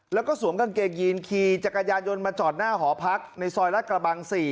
แล้วก็สวมกางเกงยีนขี่จักรยานยนต์มาจอดหน้าหอพักในซอยรัฐกระบัง๔